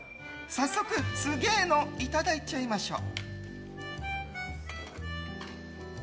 早速、すげーのいただいちゃいましょう！